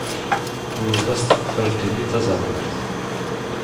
Ur ḍḍas taqeffalt-nni taẓerwalt.